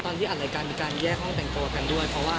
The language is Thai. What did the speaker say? ตอนที่อัดรายการมีการแยกห้องแต่งตัวกันด้วยเพราะว่า